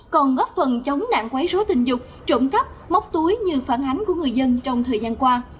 còn góp phần chống nạn quấy rối tình dục trộm cắp móc túi như phản ánh của người dân trong thời gian qua